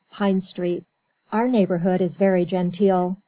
PINE STREET Our neighbourhood is very genteel.